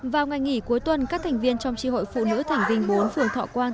vào ngày nghỉ cuối tuần các thành viên trong tri hội phụ nữ thành viên bốn phường thọ quang